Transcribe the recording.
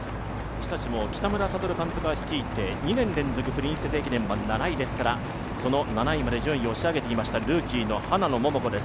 日立も北村聡監督が率いて２年連続「プリンセス駅伝」が７位ですからその７位まで順位を押し上げてきました、ルーキーの花野桃子です。